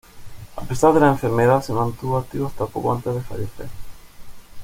A pesar de la enfermedad, se mantuvo activo hasta poco antes de fallecer.